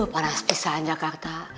aduh parah spesiaan jakarta